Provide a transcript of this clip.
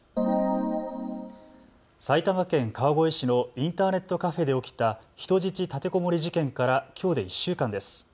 埼玉県川越市のインターネットカフェで起きた人質立てこもり事件からきょうで１週間です。